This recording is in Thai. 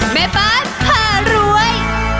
แม่บ้านผ่ารวย